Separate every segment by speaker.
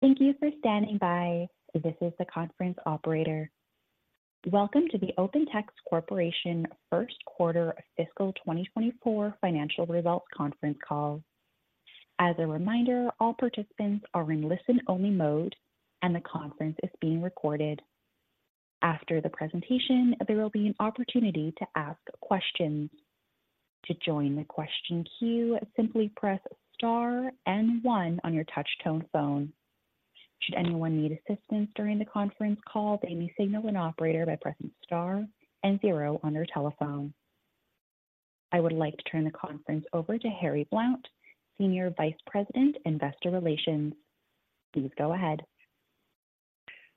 Speaker 1: Thank you for standing by. This is the conference operator. Welcome to the OpenText Corporation Q1 fiscal 2024 financial results conference call. As a reminder, all participants are in listen-only mode, and the conference is being recorded. After the presentation, there will be an opportunity to ask questions. To join the question queue, simply press star and one on your touchtone phone. Should anyone need assistance during the conference call, they may signal an operator by pressing star and zero on their telephone. I would like to turn the conference over to Harry Blount, Senior Vice President, Investor Relations. Please go ahead.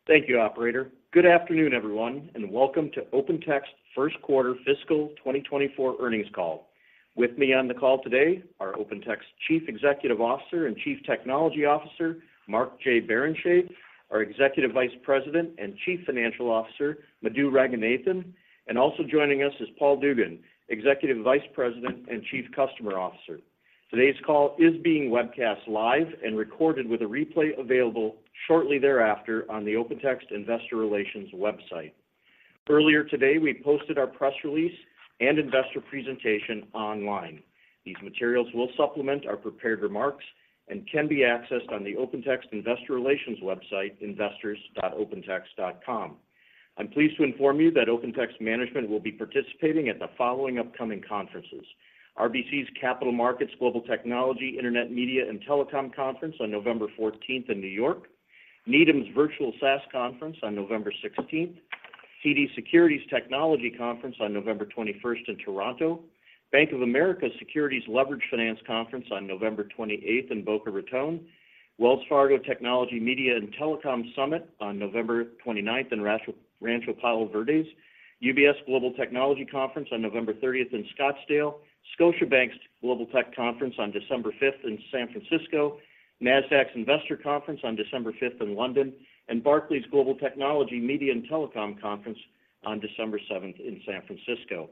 Speaker 2: Thank you, operator. Good afternoon, everyone, and welcome to OpenText Q1 fiscal 2024 earnings call. With me on the call today are OpenText's Chief Executive Officer and Chief Technology Officer, Mark J. Barrenechea, our Executive Vice President and Chief Financial Officer, Madhu Ranganathan, and also joining us is Paul Duggan, Executive Vice President and Chief Customer Officer. Today's call is being webcast live and recorded, with a replay available shortly thereafter on the OpenText Investor Relations website. Earlier today, we posted our press release and investor presentation online. These materials will supplement our prepared remarks and can be accessed on the OpenText Investor Relations website, investors.opentext.com. I'm pleased to inform you that OpenText management will be participating at the following upcoming conferences: RBC Capital Markets Global Technology, Internet, Media, and Telecom Conference on November in New York, Needham's Virtual SaaS Conference on 16 November, CIBC Securities Technology Conference on 21 November in Toronto, Bank of America Securities Leveraged Finance Conference on 28 November in Boca Raton, Wells Fargo Technology, Media, and Telecom Summit on 29 November in Rancho Palos Verdes, UBS Global Technology Conference on 30 November in Scottsdale, Scotiabank's Global Tech Conference on 5 December in San Francisco, NASDAQ's Investor Conference on 5 December in London, and Barclays Global Technology, Media, and Telecom Conference on 7 December in San Francisco.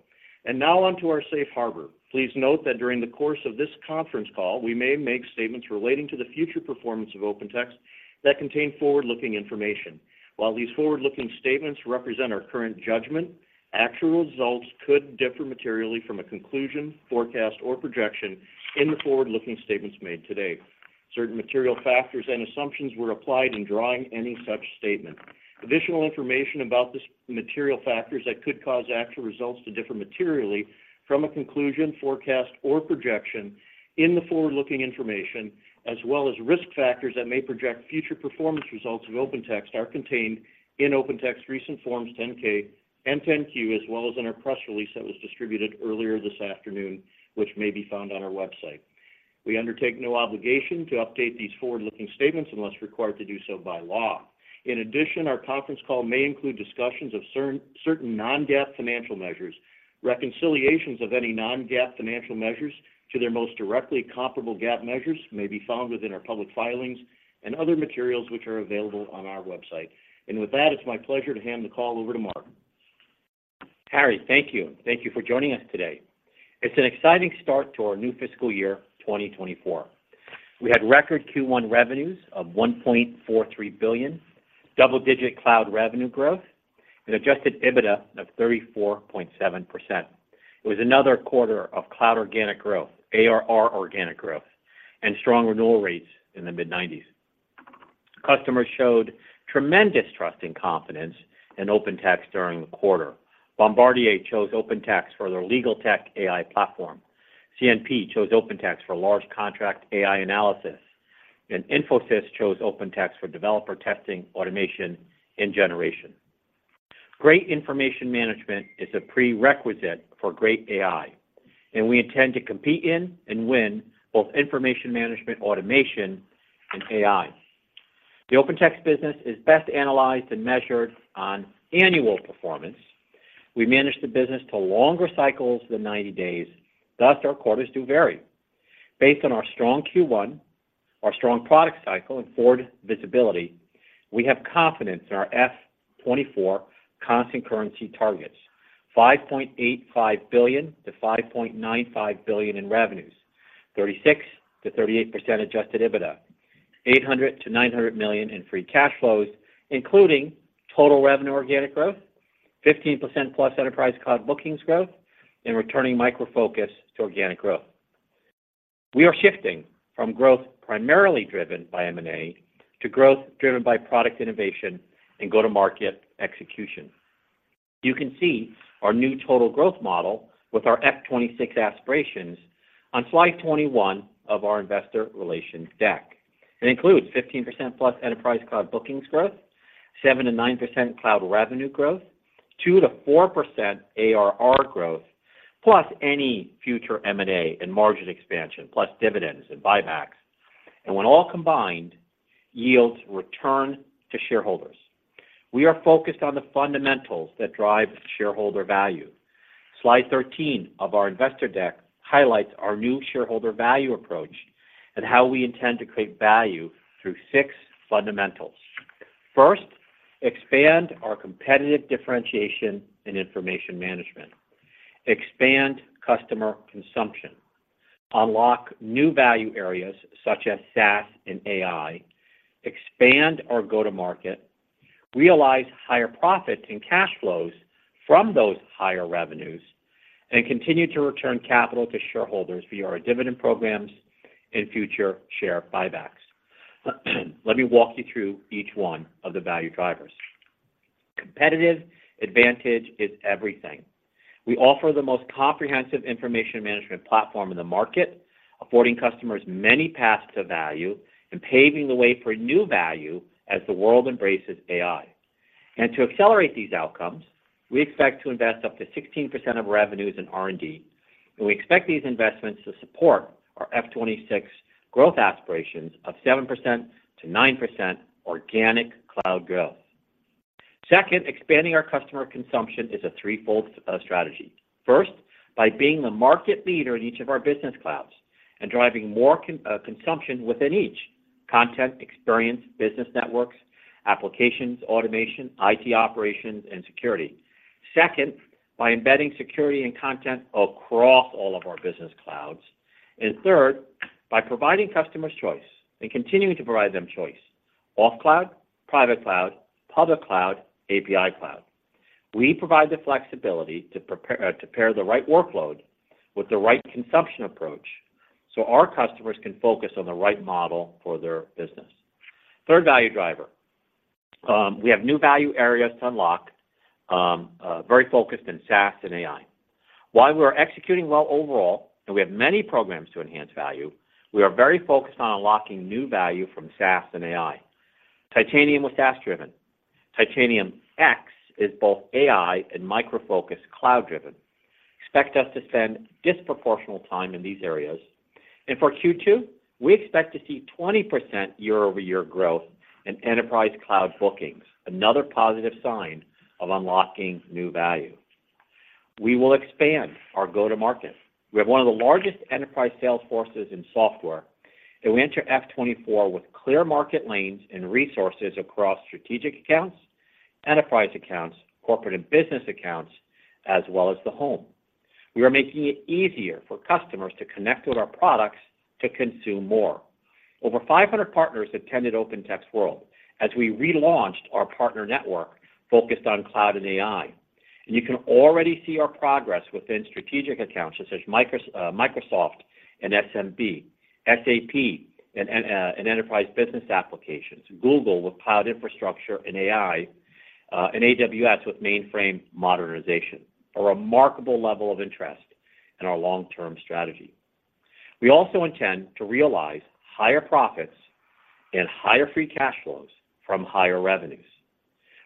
Speaker 2: Now on to our safe harbor. Please note that during the course of this conference call, we may make statements relating to the future performance of OpenText that contain forward-looking information. While these forward-looking statements represent our current judgment, actual results could differ materially from a conclusion, forecast, or projection in the forward-looking statements made today. Certain material factors and assumptions were applied in drawing any such statement. Additional information about this material factors that could cause actual results to differ materially from a conclusion, forecast, or projection in the forward-looking information, as well as risk factors that may project future performance results of OpenText are contained in OpenText's recent Forms 10-K and 10-Q, as well as in our press release that was distributed earlier this afternoon, which may be found on our website. We undertake no obligation to update these forward-looking statements unless required to do so by law. In addition, our conference call may include discussions of certain non-GAAP financial measures. Reconciliations of any non-GAAP financial measures to their most directly comparable GAAP measures may be found within our public filings and other materials, which are available on our website. With that, it's my pleasure to hand the call over to Mark.
Speaker 3: Harry, thank you. Thank you for joining us today. It's an exciting start to our new fiscal year, 2024. We had record Q1 revenues of $1.43 billion, double-digit cloud revenue growth, and Adjusted EBITDA of 34.7%. It was another quarter of cloud organic growth, ARR organic growth, and strong renewal rates in the mid-90s. Customers showed tremendous trust and confidence in OpenText during the quarter. Bombardier chose OpenText for their legal tech AI platform. CNH chose OpenText for large contract AI analysis, and Infosys chose OpenText for developer testing, automation, and generation. Great information management is a prerequisite for great AI, and we intend to compete in and win both information management automation and AI. The OpenText business is best analyzed and measured on annual performance. We manage the business to longer cycles than 90 days, thus our quarters do vary. Based on our strong Q1, our strong product cycle and forward visibility, we have confidence in our FY24 constant currency targets: $5.85 billion to $5.95 billion in revenues, 36% to 38% adjusted EBITDA, $800 to $900 million in free cash flows, including total revenue organic growth, 15%+ enterprise cloud bookings growth, and returning Micro Focus to organic growth. We are shifting from growth primarily driven by M&A, to growth driven by product innovation and go-to-market execution. You can see our new total growth model with our FY26 aspirations on slide 21 of our investor relations deck. It includes 15%+ enterprise cloud bookings growth, 7% to 9% cloud revenue growth, 2% to 4% ARR growth, plus any future M&A and margin expansion, plus dividends and buybacks, and when all combined, yields return to shareholders. We are focused on the fundamentals that drive shareholder value. Slide 13 of our investor deck highlights our new shareholder value approach and how we intend to create value through six fundamentals. First, expand our competitive differentiation in information management. Expand customer consumption. unlock new value areas such as SaaS and AI, expand our go-to-market, realize higher profits and cash flows from those higher revenues, and continue to return capital to shareholders via our dividend programs and future share buybacks. Let me walk you through each one of the value drivers. Competitive advantage is everything. We offer the most comprehensive information management platform in the market, affording customers many paths to value and paving the way for new value as the world embraces AI. And to accelerate these outcomes, we expect to invest up to 16% of revenues in R&D, and we expect these investments to support our FY 2026 growth aspirations of 7% to 9% organic cloud growth. Second, expanding our customer consumption is a threefold strategy. First, by being the market leader in each of our business clouds and driving more consumption within each: content, experience, business networks, applications, automation, IT operations, and security. Second, by embedding security and content across all of our business clouds. And third, by providing customers choice and continuing to provide them choice: off cloud, private cloud, public cloud, API cloud. We provide the flexibility to prepare to pair the right workload with the right consumption approach, so our customers can focus on the right model for their business. Third value driver, we have new value areas to unlock, very focused in SaaS and AI. While we are executing well overall, and we have many programs to enhance value, we are very focused on unlocking new value from SaaS and AI. Titanium was SaaS driven. Titanium X is both AI and Micro Focus cloud driven. Expect us to spend disproportional time in these areas. For Q2, we expect to see 20% year-over-year growth in enterprise cloud bookings, another positive sign of unlocking new value. We will expand our go-to-market. We have one of the largest enterprise sales forces in software, and we enter FY 2024 with clear market lanes and resources across strategic accounts, enterprise accounts, corporate and business accounts, as well as the home. We are making it easier for customers to connect with our products to consume more. Over 500 partners attended OpenText World as we relaunched our partner network focused on cloud and AI. You can already see our progress within strategic accounts, such as Microsoft and SMB, SAP and enterprise business applications, Google with cloud infrastructure and AI, and AWS with mainframe modernization. A remarkable level of interest in our long-term strategy. We also intend to realize higher profits and higher free cash flows from higher revenues.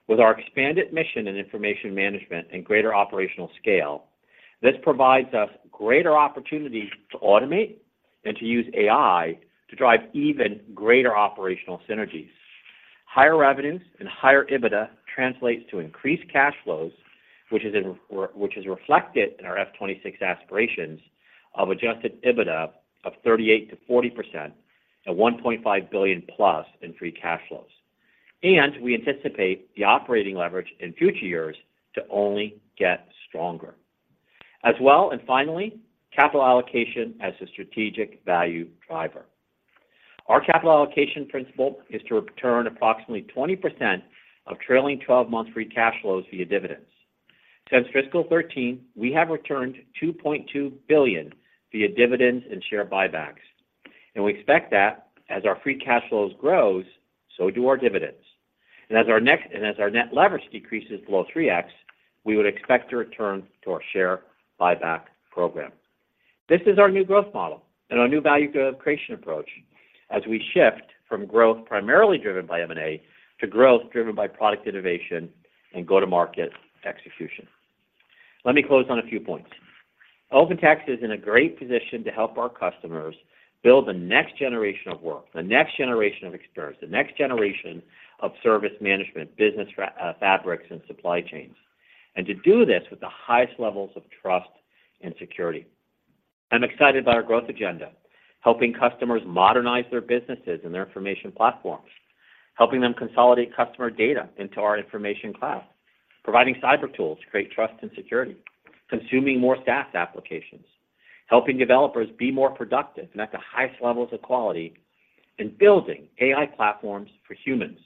Speaker 3: With our expanded mission in information management and greater operational scale, this provides us greater opportunity to automate and to use AI to drive even greater operational synergies. Higher revenues and higher EBITDA translates to increased cash flows, which is reflected in our FY26 aspirations of Adjusted EBITDA of 38% to 40% at $1.5 billion+ in free cash flows. We anticipate the operating leverage in future years to only get stronger. As well, and finally, capital allocation as a strategic value driver. Our capital allocation principle is to return approximately 20% of trailing 12 months free cash flows via dividends. Since fiscal 2013, we have returned $2.2 billion via dividends and share buybacks, and we expect that as our free cash flows grows, so do our dividends. And as our net leverage decreases below 3x, we would expect to return to our share buyback program. This is our new growth model and our new value creation approach as we shift from growth primarily driven by M&A, to growth driven by product innovation and go-to-market execution. Let me close on a few points. OpenText is in a great position to help our customers build the next generation of work, the next generation of experience, the next generation of service management, business fabrics, and supply chains, and to do this with the highest levels of trust and security. I'm excited about our growth agenda, helping customers modernize their businesses and their information platforms, helping them consolidate customer data into our information cloud, providing cyber tools to create trust and security, consuming more SaaS applications, helping developers be more productive and at the highest levels of quality, and building AI platforms for humans.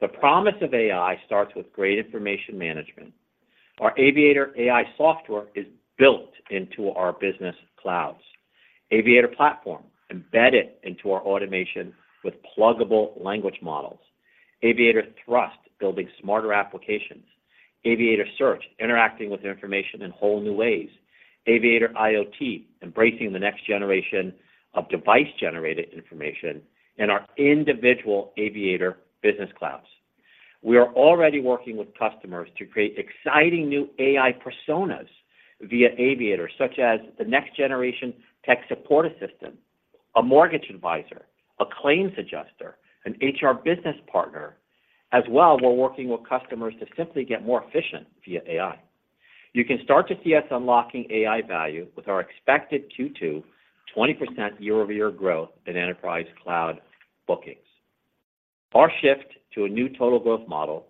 Speaker 3: The promise of AI starts with great information management. Our Aviator AI software is built into our business clouds. Aviator platform, embedded into our automation with pluggable language models. Aviator Thrust, building smarter applications. Aviator Search, interacting with information in whole new ways. Aviator IoT, embracing the next generation of device-generated information in our individual Aviator business clouds. We are already working with customers to create exciting new AI personas via Aviator, such as the next generation tech support assistant, a mortgage advisor, a claims adjuster, an HR business partner. As well, we're working with customers to simply get more efficient via AI. You can start to see us unlocking AI value with our expected Q2, 20% year-over-year growth in enterprise cloud bookings. Our shift to a new total growth model,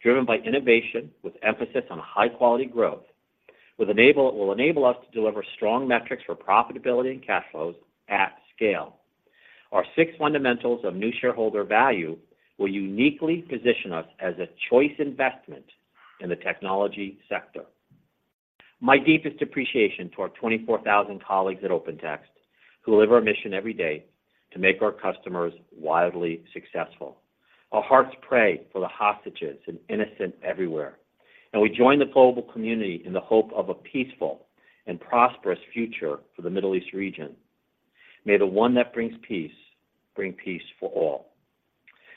Speaker 3: driven by innovation with emphasis on high quality growth, will enable us to deliver strong metrics for profitability and cash flows at scale. Our six fundamentals of new shareholder value will uniquely position us as a choice investment in the technology sector. My deepest appreciation to our 24,000 colleagues at OpenText, who live our mission every day to make our customers wildly successful. Our hearts pray for the hostages and innocent everywhere, and we join the global community in the hope of a peaceful and prosperous future for the Middle East region. May the one that brings peace, bring peace for all.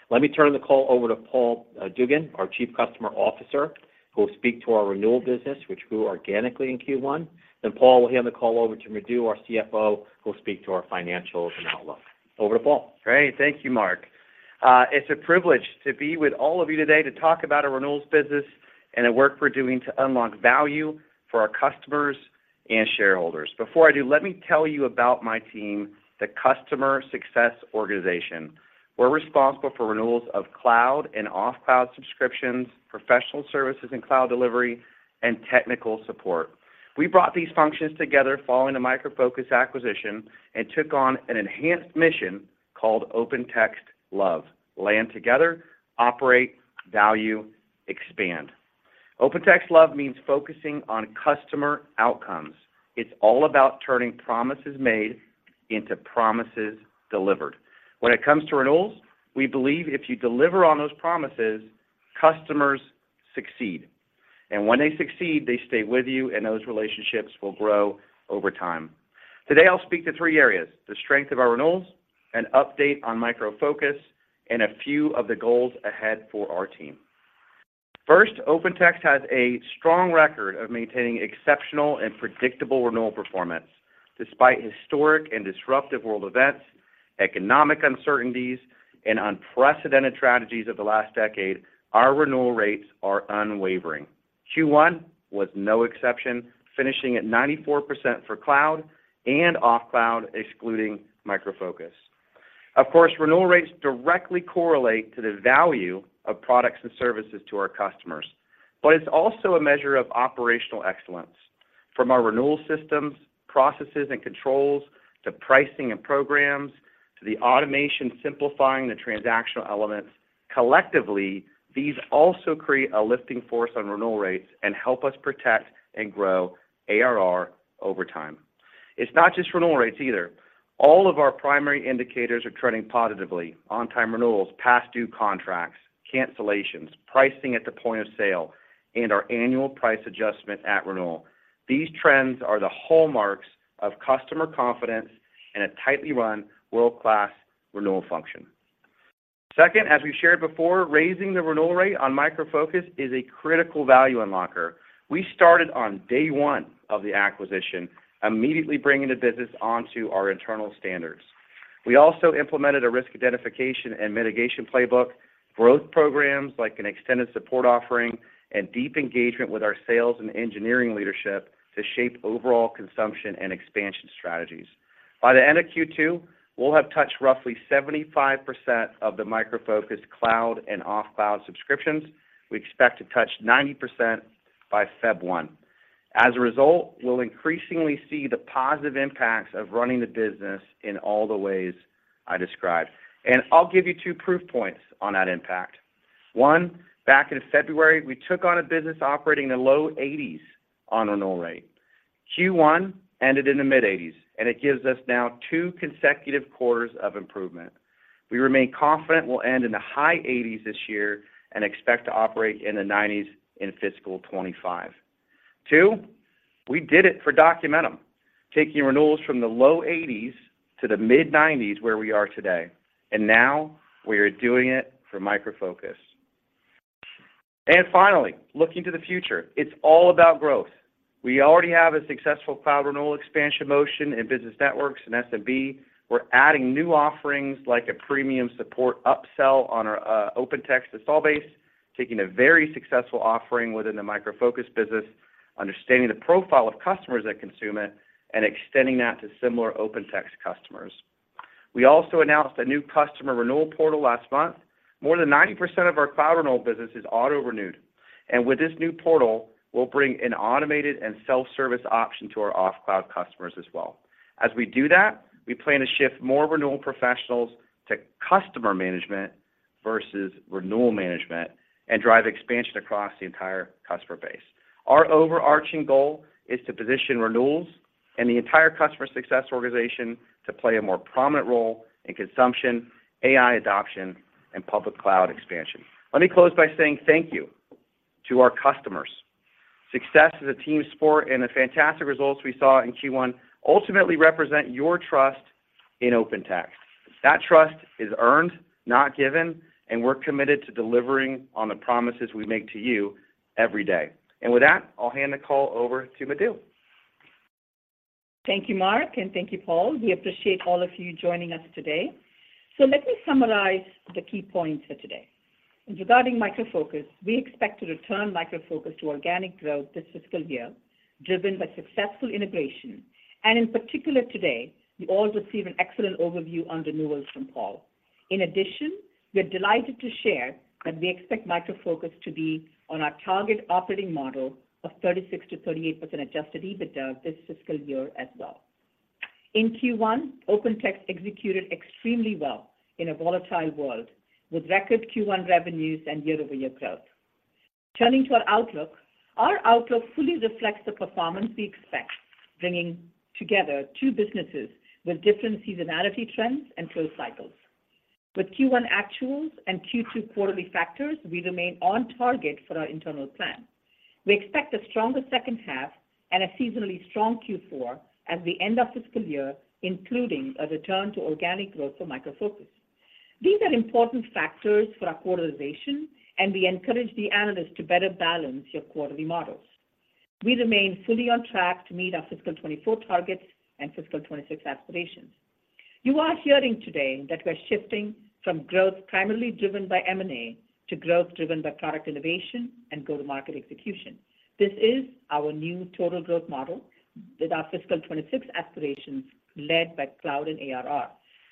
Speaker 3: Let me turn the call over to Paul Duggan, our Chief Customer Officer, who will speak to our renewal business, which grew organically in Q1. Then Paul will hand the call over to Madhu, our CFO, who will speak to our financials and outlook. Over to Paul.
Speaker 4: Great. Thank you, Mark. It's a privilege to be with all of you today to talk about our renewals business and the work we're doing to unlock value for our customers and shareholders. Before I do, let me tell you about my team, the customer success organization. We're responsible for renewals of cloud and off-cloud subscriptions, professional services and cloud delivery, and technical support. We brought these functions together following the Micro Focus acquisition and took on an enhanced mission called OpenText LOVE: Land together, Operate, Value, Expand. OpenText LOVE means focusing on customer outcomes. It's all about turning promises made into promises delivered. When it comes to renewals, we believe if you deliver on those promises, customers succeed, and when they succeed, they stay with you, and those relationships will grow over time. Today, I'll speak to three areas: the strength of our renewals, an update on Micro Focus, and a few of the goals ahead for our team. First, OpenText has a strong record of maintaining exceptional and predictable renewal performance. Despite historic and disruptive world events, economic uncertainties, and unprecedented tragedies of the last decade, our renewal rates are unwavering. Q1 was no exception, finishing at 94% for cloud and off cloud, excluding Micro Focus. Of course, renewal rates directly correlate to the value of products and services to our customers, but it's also a measure of operational excellence. From our renewal systems, processes and controls, to pricing and programs, to the automation simplifying the transactional elements, collectively, these also create a lifting force on renewal rates and help us protect and grow ARR over time. It's not just renewal rates either. All of our primary indicators are trending positively: on-time renewals, past due contracts, cancellations, pricing at the point of sale, and our annual price adjustment at renewal. These trends are the hallmarks of customer confidence and a tightly run, world-class renewal function. Second, as we shared before, raising the renewal rate on Micro Focus is a critical value unlocker. We started on day one of the acquisition, immediately bringing the business onto our internal standards. We also implemented a risk identification and mitigation playbook, growth programs like an extended support offering, and deep engagement with our sales and engineering leadership to shape overall consumption and expansion strategies. By the end of Q2, we'll have touched roughly 75% of the Micro Focus cloud and off-cloud subscriptions. We expect to touch 90% by 1 February. As a result, we'll increasingly see the positive impacts of running the business in all the ways I described. And I'll give you two proof points on that impact. One, back in February, we took on a business operating in the low 80% on renewal rate. Q1 ended in the mid-80%, and it gives us now two consecutive quarters of improvement. We remain confident we'll end in the high 80% this year and expect to operate in the 90% in fiscal 2025. Two, we did it for Documentum, taking renewals from the low 80% to the mid-90%, where we are today, and now we are doing it for Micro Focus. And finally, looking to the future, it's all about growth. We already have a successful cloud renewal expansion motion in business networks and SMB. We're adding new offerings like a premium support upsell on our OpenText install base, taking a very successful offering within the Micro Focus business, understanding the profile of customers that consume it, and extending that to similar OpenText customers. We also announced a new customer renewal portal last month. More than 90% of our cloud renewal business is auto-renewed, and with this new portal, we'll bring an automated and self-service option to our off-cloud customers as well. As we do that, we plan to shift more renewal professionals to customer management versus renewal management and drive expansion across the entire customer base. Our overarching goal is to position renewals and the entire customer success organization to play a more prominent role in consumption, AI adoption, and public cloud expansion. Let me close by saying thank you to our customers. Success is a team sport, and the fantastic results we saw in Q1 ultimately represent your trust in OpenText. That trust is earned, not given, and we're committed to delivering on the promises we make to you every day. And with that, I'll hand the call over to Madhu.
Speaker 5: Thank you, Mark, and thank you, Paul. We appreciate all of you joining us today. Let me summarize the key points for today. Regarding Micro Focus, we expect to return Micro Focus to organic growth this fiscal year, driven by successful integration. In particular, today, you all receive an excellent overview on renewals from Paul. In addition, we are delighted to share that we expect Micro Focus to be on our target operating model of 36% to 38% Adjusted EBITDA this fiscal year as well. In Q1, OpenText executed extremely well in a volatile world, with record Q1 revenues and year-over-year growth. Turning to our outlook, our outlook fully reflects the performance we expect, bringing together two businesses with different seasonality trends and growth cycles. With Q1 actuals and Q2 quarterly factors, we remain on target for our internal plan. We expect a stronger second half and a seasonally strong Q4 as we end our fiscal year, including a return to organic growth for Micro Focus. These are important factors for our quarterization, and we encourage the analysts to better balance your quarterly models. We remain fully on track to meet our fiscal 2024 targets and fiscal 2026 aspirations. You are hearing today that we're shifting from growth primarily driven by M&A, to growth driven by product innovation and go-to-market execution. This is our new total growth model with our fiscal 2026 aspirations led by cloud and ARR.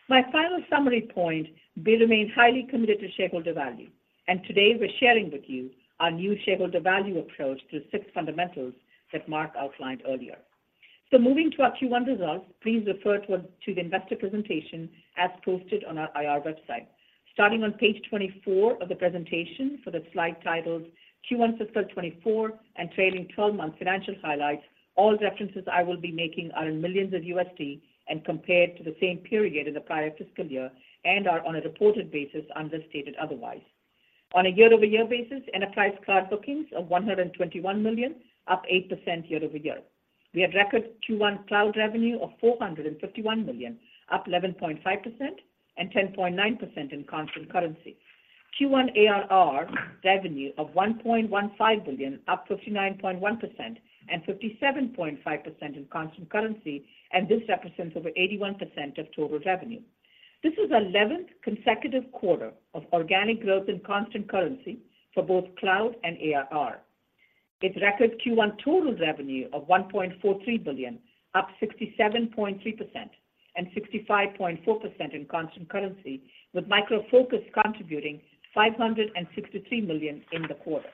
Speaker 5: My final summary point, we remain highly committed to shareholder value, and today we're sharing with you our new shareholder value approach to the six fundamentals that Mark outlined earlier. So moving to our Q1 results, please refer to the investor presentation as posted on our IR website. Starting on page 24 of the presentation for the slide titled, "Q1 Fiscal 2024 and trailing twelve-month financial highlights," all references I will be making are in millions of USD and compared to the same period as the prior fiscal year, and are on a reported basis, stated otherwise. On a year-over-year basis, enterprise cloud bookings of $121 million, up 8% year-over-year. We had record Q1 cloud revenue of $451 million, up 11.5% and 10.9% in constant currency. Q1 ARR revenue of $1.15 billion, up 59.1% and 57.5% in constant currency, and this represents over 81% of total revenue. This is the 11th consecutive quarter of organic growth in constant currency for both cloud and ARR. It's record Q1 total revenue of $1.43 billion, up 67.3% and 65.4% in constant currency, with Micro Focus contributing $563 million in the quarter.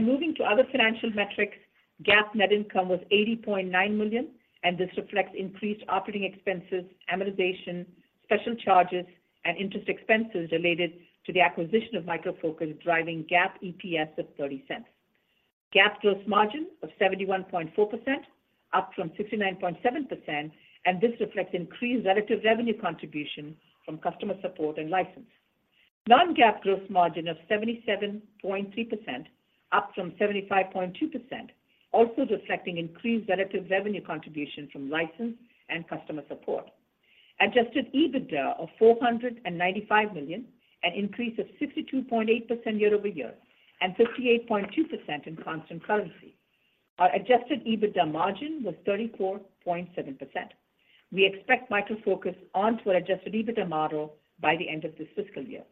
Speaker 5: Moving to other financial metrics, GAAP net income was $80.9 million, and this reflects increased operating expenses, amortization, special charges, and interest expenses related to the acquisition of Micro Focus, driving GAAP EPS of $0.30. GAAP gross margin of 71.4%, up from 69.7%, and this reflects increased relative revenue contribution from customer support and license. Non-GAAP gross margin of 77.3%, up from 75.2%, also reflecting increased relative revenue contribution from license and customer support. Adjusted EBITDA of $495 million, an increase of 62.8% year-over-year, and 58.2% in constant currency. Our adjusted EBITDA margin was 34.7%. We expect Micro Focus on to our adjusted EBITDA model by the end of this fiscal year.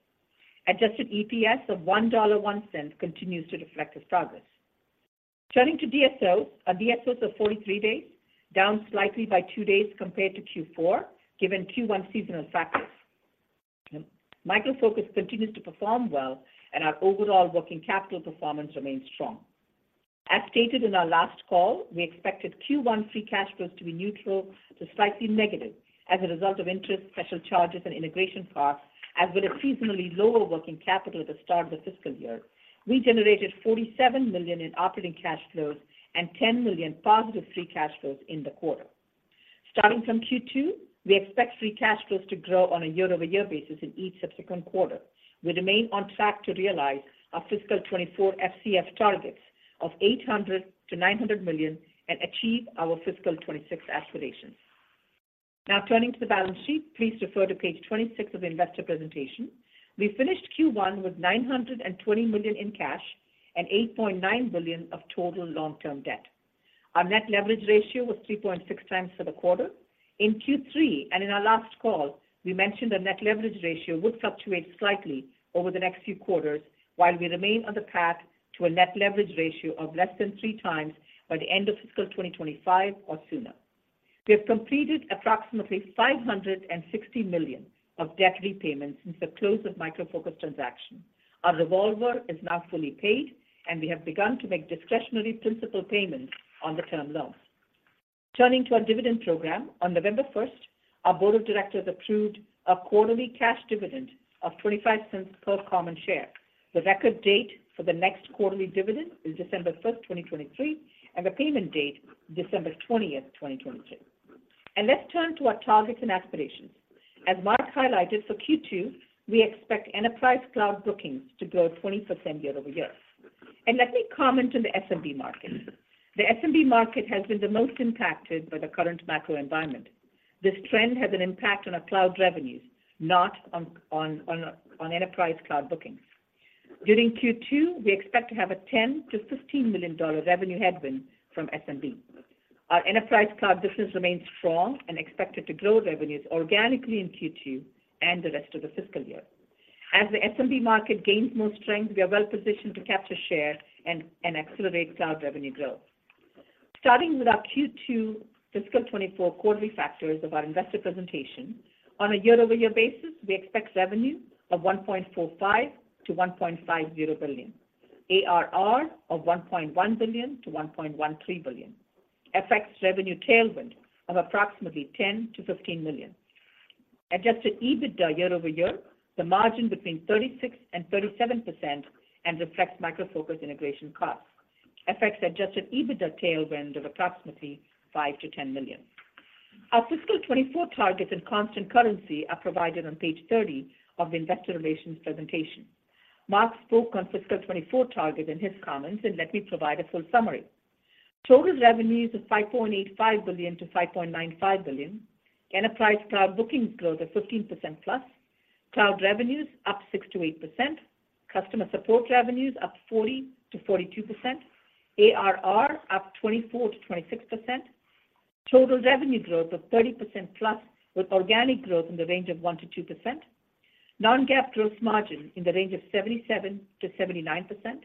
Speaker 5: Adjusted EPS of $1.01 continues to reflect this progress. Turning to DSOs, our DSOs of 43 days, down slightly by 2 days compared to Q4, given Q1 seasonal factors. Micro Focus continues to perform well, and our overall working capital performance remains strong. As stated in our last call, we expected Q1 free cash flows to be neutral to slightly negative as a result of interest, special charges, and integration costs, as with a seasonally lower working capital at the start of the fiscal year. We generated $47 million in operating cash flows and $10 million positive free cash flows in the quarter. Starting from Q2, we expect free cash flows to grow on a year-over-year basis in each subsequent quarter. We remain on track to realize our fiscal 2024 FCF targets of $800 million-$900 million and achieve our fiscal 2026 aspirations. Now, turning to the balance sheet, please refer to page 26 of the investor presentation. We finished Q1 with $920 million in cash and $8.9 billion of total long-term debt. Our net leverage ratio was 3.6 times for the quarter. In Q3, and in our last call, we mentioned the net leverage ratio would fluctuate slightly over the next few quarters, while we remain on the path to a net leverage ratio of less than three times by the end of fiscal 2025 or sooner. We have completed approximately $560 million of debt repayments since the close of Micro Focus transaction. Our revolver is now fully paid, and we have begun to make discretionary principal payments on the term loans. Turning to our dividend program, on 1 November, our board of directors approved a quarterly cash dividend of $0.25 per common share. The record date for the next quarterly dividend is December 1, 2023, and the payment date, December 20, 2023. Let's turn to our targets and aspirations. As Mark highlighted, for Q2, we expect enterprise cloud bookings to grow 20% year-over-year. Let me comment on the SMB market. The SMB market has been the most impacted by the current macro environment. This trend has an impact on our cloud revenues, not on enterprise cloud bookings. During Q2, we expect to have a $10 million to $15 million revenue headwind from SMB. Our enterprise cloud business remains strong and expected to grow revenues organically in Q2 and the rest of the fiscal year. As the SMB market gains more strength, we are well positioned to capture share and accelerate cloud revenue growth. Starting with our Q2 fiscal 2024 quarterly factors of our investor presentation, on a year-over-year basis, we expect revenue of $1.45- to $1.50 billion; ARR of $1.1 billion to $1.13 billion; FX revenue tailwind of approximately $10 to $15 million. Adjusted EBITDA year over year, the margin between 36% and 37% and reflects Micro Focus integration costs. FX adjusted EBITDA tailwind of approximately $5 to $10 million. Our fiscal 2024 targets and constant currency are provided on page 30 of the investor relations presentation. Mark spoke on fiscal 2024 targets in his comments, and let me provide a full summary. Total revenues of $5.85 billion to $5.95 billion. Enterprise cloud bookings growth of 15%+. Cloud revenues up 6% to 8%. Customer support revenues up 40% to 42%. ARR up 24% to 26%. Total revenue growth of 30%+, with organic growth in the range of 1% to 2%. Non-GAAP gross margin in the range of 77% to 79%.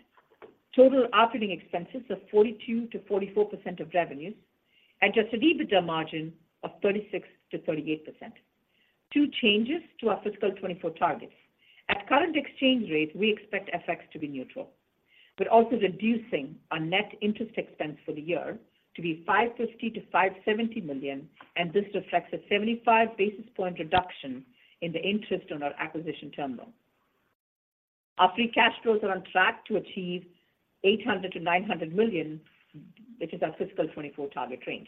Speaker 5: Total operating expenses of 42% to 44% of revenues. Adjusted EBITDA margin of 36% to 38%. Two changes to our fiscal 2024 targets. At current exchange rates, we expect FX to be neutral, but also reducing our net interest expense for the year to be $550 million to $570 million, and this reflects a 75 basis point reduction in the interest on our acquisition term loan. Our free cash flows are on track to achieve $800 million-$900 million, which is our fiscal 2024 target range.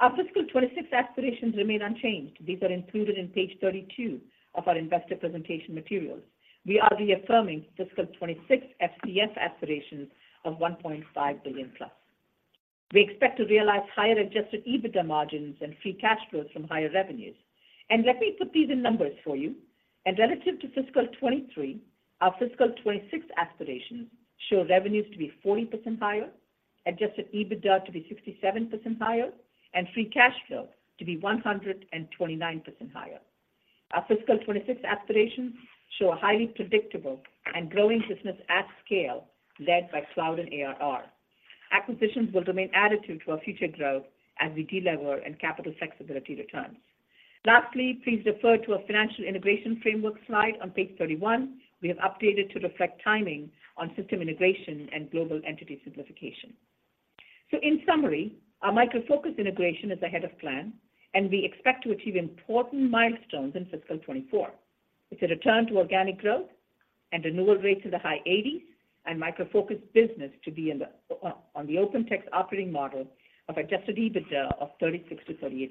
Speaker 5: Our fiscal 2026 aspirations remain unchanged. These are included in page 32 of our investor presentation materials. We are reaffirming fiscal 2024 FCF aspirations of $1.5 billion+. We expect to realize higher adjusted EBITDA margins and free cash flows from higher revenues. Let me put these in numbers for you. Relative to fiscal 2023, our fiscal 2026 aspirations show revenues to be 40% higher, adjusted EBITDA to be 67% higher, and free cash flow to be 129% higher. Our fiscal 2026 aspirations show a highly predictable and growing business at scale, led by cloud and ARR. Acquisitions will remain additive to our future growth as we delever and capital flexibility returns. Lastly, please refer to our financial integration framework slide on page 31. We have updated to reflect timing on system integration and global entity simplification. So in summary, our Micro Focus integration is ahead of plan, and we expect to achieve important milestones in fiscal 2024. It's a return to organic growth and renewal rates in the high 80s, and Micro Focus business to be in the on the OpenText operating model of Adjusted EBITDA of 36% to 38%.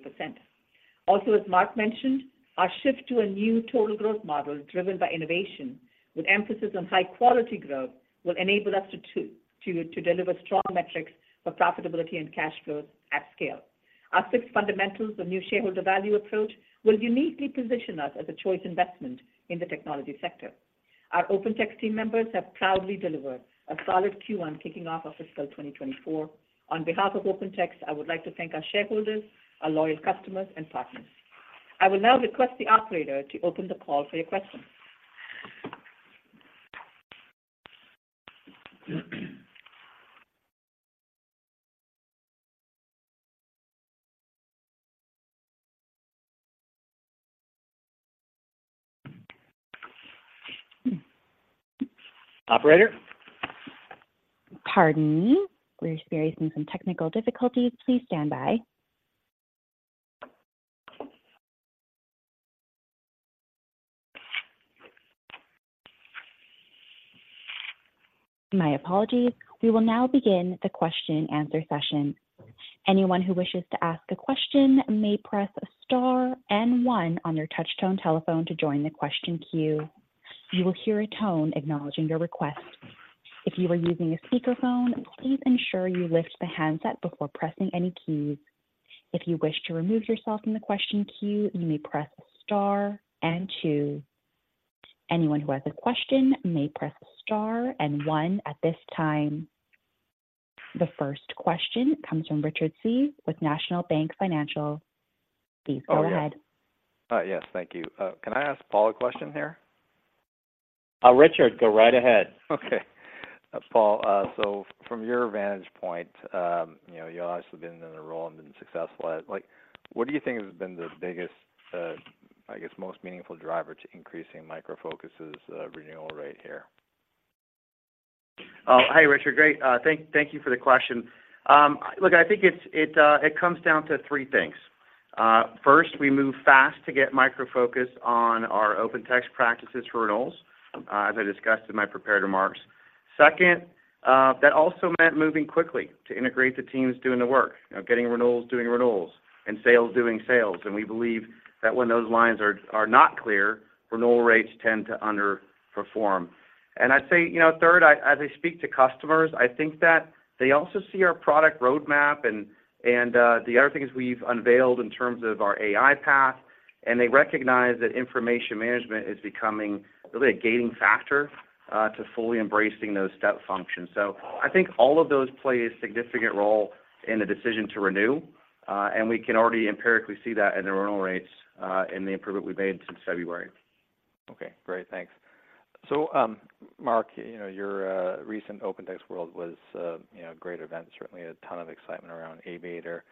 Speaker 5: Also, as Mark mentioned, our shift to a new total growth model driven by innovation with emphasis on high quality growth, will enable us to deliver strong metrics for profitability and cash flows at scale. Our six fundamentals of new shareholder value approach will uniquely position us as a choice investment in the technology sector. Our OpenText team members have proudly delivered a solid Q1 kicking off of fiscal 2024. On behalf of OpenText, I would like to thank our shareholders, our loyal customers, and partners. I will now request the operator to open the call for your questions.
Speaker 3: Operator?
Speaker 1: Pardon me. We're experiencing some technical difficulties. Please stand by. My apologies. We will now begin the question and answer session. Anyone who wishes to ask a question may press star and one on their touch tone telephone to join the question queue. You will hear a tone acknowledging your request. If you are using a speakerphone, please ensure you lift the handset before pressing any keys. If you wish to remove yourself from the question queue, you may press star and two. Anyone who has a question may press star and one at this time. The first question comes from Richard Tse with National Bank Financial. Please go ahead.
Speaker 6: Yes, thank you. Can I ask Paul a question here?
Speaker 3: Richard, go right ahead.
Speaker 7: Okay. Paul, so from your vantage point, you know, you've obviously been in the role and been successful at... Like, what do you think has been the biggest, I guess, most meaningful driver to increasing Micro Focus's renewal rate here?
Speaker 5: Oh, hi, Richard. Great. Thank you for the question. Look, I think it comes down to three things. First, we move fast to get Micro Focus on our OpenText practices for renewals, as I discussed in my prepared remarks. Second, that also meant moving quickly to integrate the teams doing the work, you know, getting renewals, doing renewals, and sales, doing sales. And we believe that when those lines are not clear, renewal rates tend to underperform. And I'd say, you know, third, as I speak to customers, I think that they also see our product roadmap and the other things we've unveiled in terms of our AI path.
Speaker 4: And they recognize that information management is becoming really a gating factor to fully embracing those step functions. So I think all of those play a significant role in the decision to renew, and we can already empirically see that in the renewal rates, and the improvement we've made since February.
Speaker 6: Okay, great. Thanks. So, Mark, you know, your recent OpenText World was a, you know, a great event. Certainly, a ton of excitement around Aviator.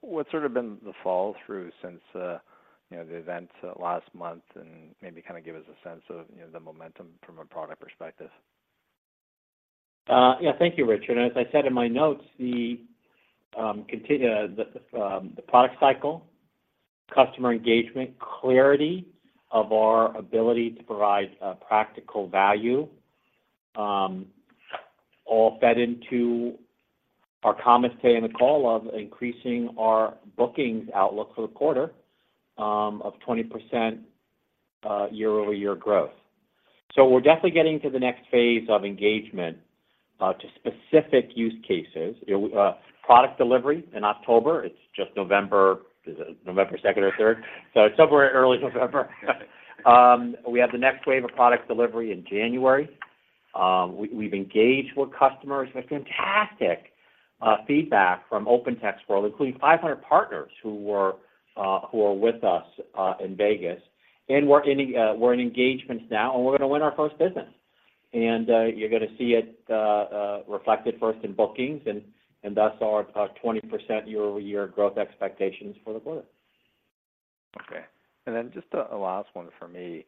Speaker 6: What's sort of been the follow through since, you know, the event last month? And maybe kind of give us a sense of, you know, the momentum from a product perspective.
Speaker 3: Yeah. Thank you, Richard. As I said in my notes, the product cycle, customer engagement, clarity of our ability to provide practical value all fed into our comments today in the call of increasing our bookings outlook for the quarter of 20% year-over-year growth. So we're definitely getting to the next phase of engagement to specific use cases. Product delivery in October. It's just November, is it November second or third? So somewhere in early November. We have the next wave of product delivery in January. We've engaged with customers, with fantastic feedback from OpenText World, including 500 partners who were with us in Vegas. And we're in engagements now, and we're gonna win our first business. And, you're gonna see it reflected first in bookings, and thus our 20% year-over-year growth expectations for the quarter.
Speaker 6: Okay. And then just a last one for me.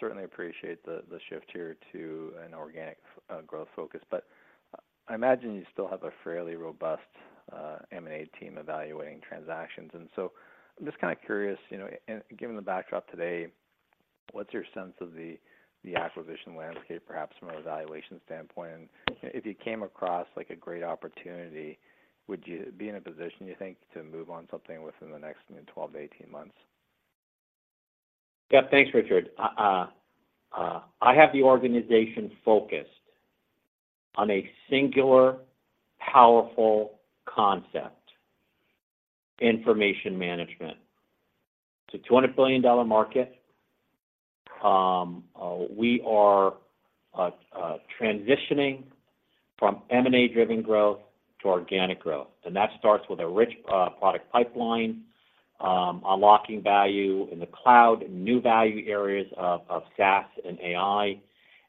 Speaker 6: Certainly appreciate the shift here to an organic growth focus, but I imagine you still have a fairly robust M&A team evaluating transactions. And so I'm just kind of curious, you know, and given the backdrop today, what's your sense of the acquisition landscape, perhaps from a valuation standpoint? And, you know, if you came across, like, a great opportunity, would you be in a position, you think, to move on something within the next, you know, 12-18 months?
Speaker 3: Yeah. Thanks, Richard. I have the organization focused on a singular, powerful concept: information management. It's a $200 billion market. We are transitioning from M&A-driven growth to organic growth, and that starts with a rich product pipeline, unlocking value in the cloud and new value areas of SaaS and AI.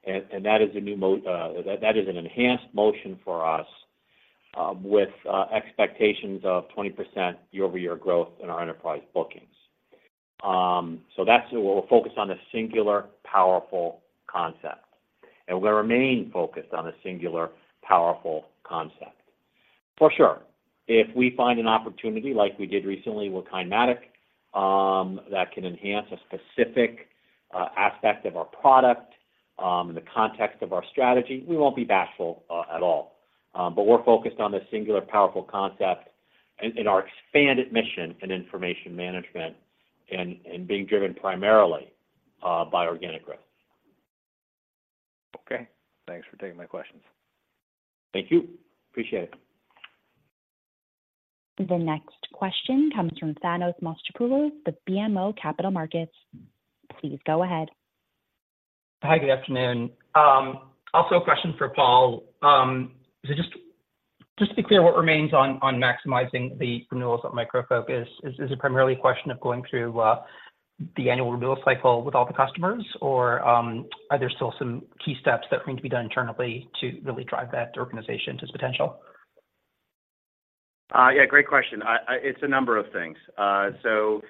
Speaker 3: And that is an enhanced motion for us, with expectations of 20% year-over-year growth in our enterprise bookings. So that's where we're focused on a singular, powerful concept, and we'll remain focused on a singular, powerful concept. For sure, if we find an opportunity like we did recently with KineMatik, that can enhance a specific aspect of our product, in the context of our strategy, we won't be bashful at all. But we're focused on the singular, powerful concept and our expanded mission in information management, and being driven primarily by organic growth.
Speaker 6: Okay, thanks for taking my questions.
Speaker 3: Thank you. Appreciate it.
Speaker 1: The next question comes from Thanos Moschopoulos with BMO Capital Markets. Please go ahead.
Speaker 8: Hi, good afternoon. Also a question for Paul. So just, just to be clear, what remains on maximizing the renewals at Micro Focus? Is it primarily a question of going through the annual renewal cycle with all the customers, or are there still some key steps that need to be done internally to really drive that organization to its potential?
Speaker 4: Yeah, great question. It's a number of things. So,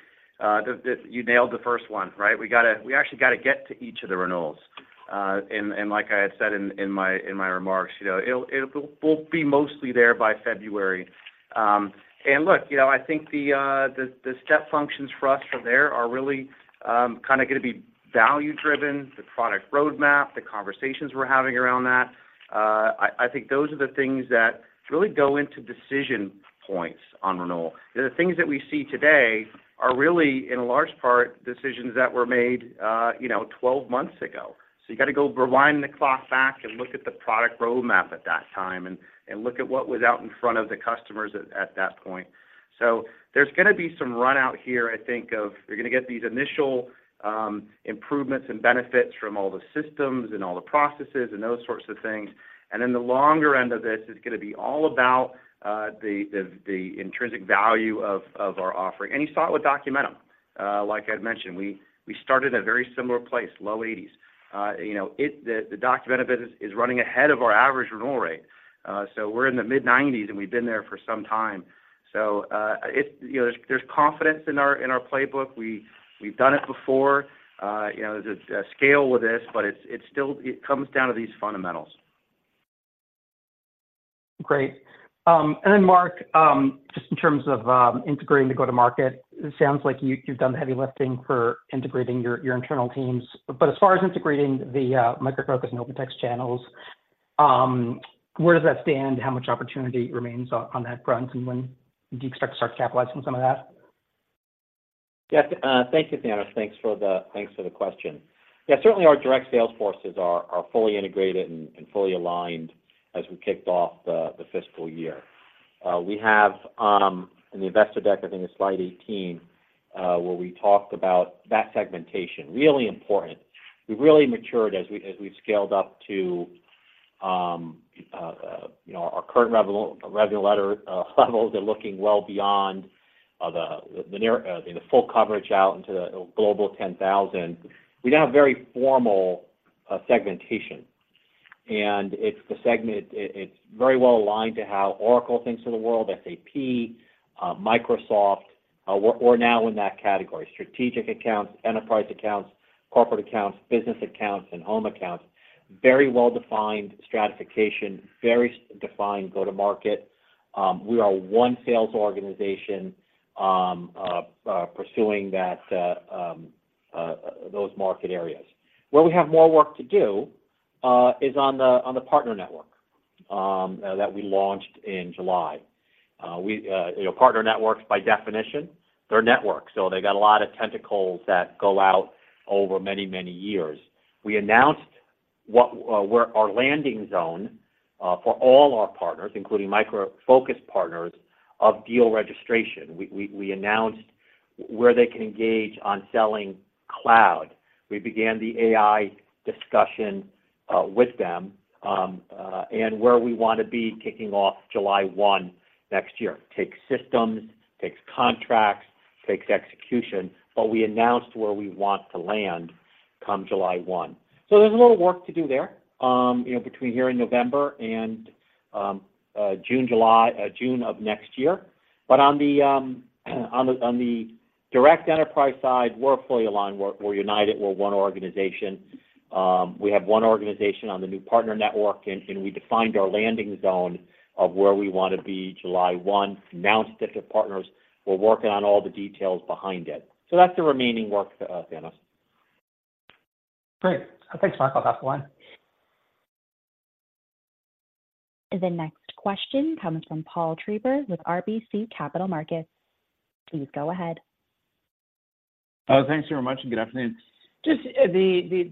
Speaker 4: you nailed the first one, right? We actually gotta get to each of the renewals. And like I had said in my remarks, you know, we'll be mostly there by February. And look, you know, I think the step functions for us from there are really kind of gonna be value driven, the product roadmap, the conversations we're having around that. I think those are the things that really go into decision points on renewal. The things that we see today are really, in large part, decisions that were made, you know, 12 months ago. So you gotta go rewind the clock back and look at the product roadmap at that time, and look at what was out in front of the customers at that point. So there's gonna be some run out here, I think, of you're gonna get these initial improvements and benefits from all the systems and all the processes and those sorts of things. And then the longer end of this is gonna be all about the intrinsic value of our offering. And you saw it with Documentum. Like I'd mentioned, we started in a very similar place, low 80s. You know, the Documentum business is running ahead of our average renewal rate. So we're in the mid 90s, and we've been there for some time. So you know, there's confidence in our playbook. We've done it before. You know, there's a scale with this, but it's still—it comes down to these fundamentals.
Speaker 8: Great. And then, Mark, just in terms of integrating the go-to-market, it sounds like you- you've done the heavy lifting for integrating your, your internal teams. But as far as integrating the Micro Focus and OpenText channels, where does that stand? How much opportunity remains on, on that front, and when do you expect to start capitalizing some of that?
Speaker 3: Yeah, thank you, Thanos. Thanks for the question. Yeah, certainly our direct sales forces are fully integrated and fully aligned as we kicked off the fiscal year. We have, in the investor deck, I think it's slide 18, where we talked about that segmentation. Really important. We've really matured as we, as we've scaled up to, you know, our current revenue level, levels and looking well beyond, the near, the full coverage out into the global 10,000. We now have very formal segmentation, and it's very well aligned to how Oracle thinks of the world, SAP, Microsoft, we're now in that category. Strategic accounts, enterprise accounts, corporate accounts, business accounts, and home accounts. Very well-defined stratification, very defined go-to-market. We are one sales organization pursuing those market areas. Where we have more work to do is on the partner network that we launched in July. You know, partner networks by definition, they're networks, so they got a lot of tentacles that go out over many, many years. We announced where our landing zone for all our partners, including Micro Focus partners, of deal registration. We announced where they can engage on selling cloud. We began the AI discussion with them and where we want to be kicking off July one next year. Takes systems, takes contracts, takes execution, but we announced where we want to land come July one. So there's a little work to do there, you know, between here in November and June, July, June of next year. But on the direct enterprise side, we're fully aligned, we're united, we're one organization. We have one organization on the new partner network, and we defined our landing zone of where we want to be July 1, announced it to partners. We're working on all the details behind it. So that's the remaining work, Thanos.
Speaker 8: Great. Thanks, Mark. I'll pass the line.
Speaker 1: The next question comes from Paul Treiber with RBC Capital Markets. Please go ahead.
Speaker 9: Thanks very much, and good afternoon. Just,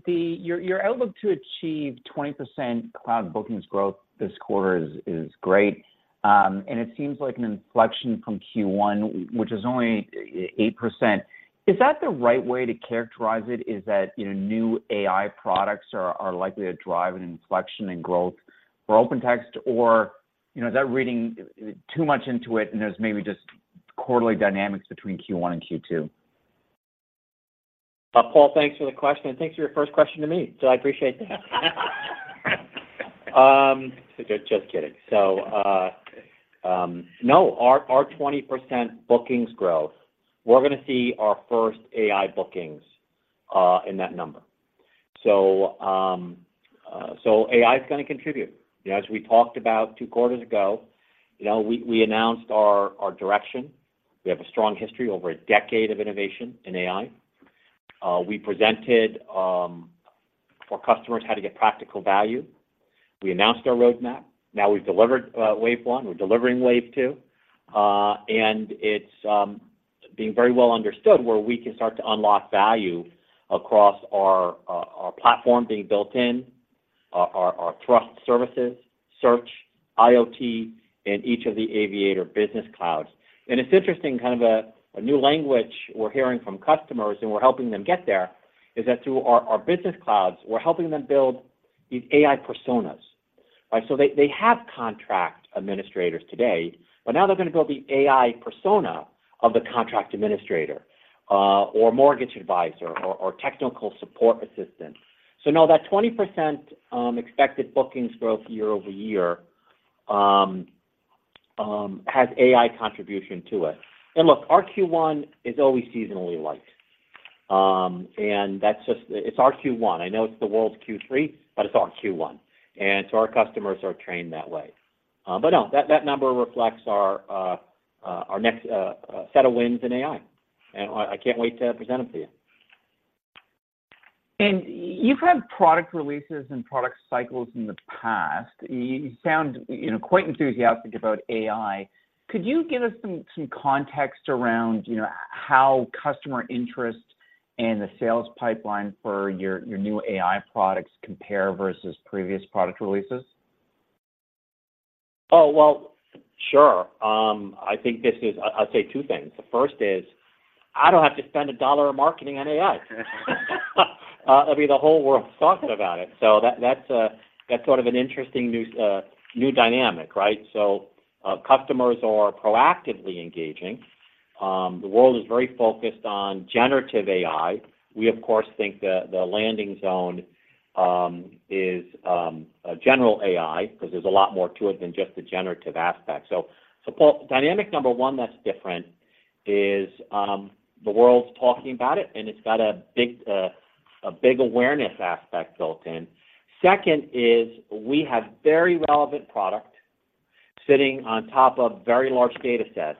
Speaker 9: your outlook to achieve 20% cloud bookings growth this quarter is great, and it seems like an inflection from Q1, which is only 8%. Is that the right way to characterize it? Is that, you know, new AI products are likely to drive an inflection in growth for OpenText, or, you know, is that reading too much into it, and there's maybe just quarterly dynamics between Q1 and Q2?
Speaker 3: Paul, thanks for the question, and thanks for your first question to me. So I appreciate that. Just kidding. No, our 20% bookings growth, we're gonna see our first AI bookings in that number. So, AI is gonna contribute. As we talked about two quarters ago, you know, we announced our direction. We have a strong history, over a decade of innovation in AI. We presented for customers how to get practical value. We announced our roadmap. Now we've delivered wave one, we're delivering wave two. And it's being very well understood where we can start to unlock value across our platform being built in, our trust services, Search, IoT, and each of the Aviator business clouds. It's interesting, kind of a new language we're hearing from customers, and we're helping them get there, is that through our business clouds, we're helping them build these AI personas, right? So they have contract administrators today, but now they're gonna build the AI persona of the contract administrator, or mortgage advisor or technical support assistant. So now that 20% expected bookings growth year-over-year has AI contribution to it. And look, our Q1 is always seasonally light. And that's just, it's our Q1. I know it's the world's Q3, but it's our Q1, and so our customers are trained that way. But no, that number reflects our next set of wins in AI, and I can't wait to present them to you.
Speaker 9: You've had product releases and product cycles in the past. You sound, you know, quite enthusiastic about AI. Could you give us some context around, you know, how customer interest and the sales pipeline for your new AI products compare versus previous product releases?
Speaker 3: Oh, well, sure. I think this is, I'll say two things. The first is, I don't have to spend a dollar of marketing on AI. I mean, the whole world's talking about it, so that's sort of an interesting new dynamic, right? So, customers are proactively engaging. The world is very focused on generative AI. We, of course, think the landing zone is a general AI, because there's a lot more to it than just the generative aspect. So, Paul, dynamic number one that's different is the world's talking about it, and it's got a big awareness aspect built in. Second is, we have very relevant product sitting on top of very large data sets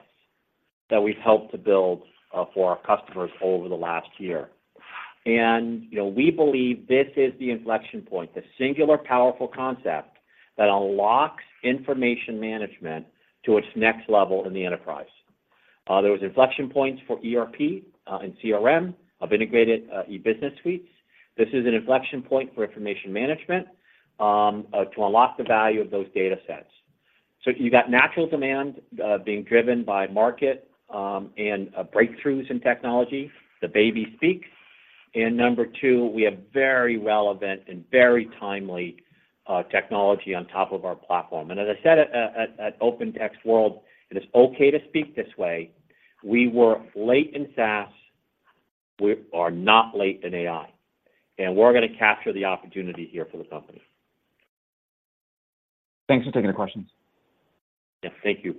Speaker 3: that we've helped to build for our customers over the last year. You know, we believe this is the inflection point, the singular powerful concept that unlocks information management to its next level in the enterprise. There was inflection points for ERP, and CRM of integrated, e-business suites. This is an inflection point for information management, to unlock the value of those data sets. So you've got natural demand, being driven by market, and, breakthroughs in technology. The baby speaks. And number two, we have very relevant and very timely, technology on top of our platform. And as I said at OpenText World, it is okay to speak this way. We were late in SaaS, we are not late in AI, and we're gonna capture the opportunity here for the company.
Speaker 9: Thanks for taking the questions.
Speaker 3: Yes, thank you.